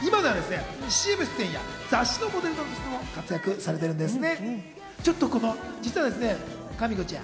今ではＣＭ出演や雑誌のモデルとしても活躍されてるんですね。